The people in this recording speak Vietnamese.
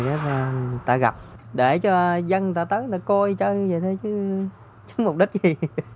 rồi người ta gặp để cho dân người ta tấn người ta coi chơi vậy thôi chứ mục đích gì